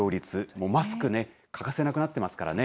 もうマスク、欠かせなくなっていますからね。